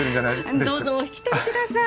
あどうぞお引き取りください。